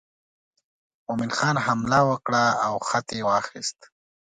مومن خان حمله ور کړه او خط یې واخیست.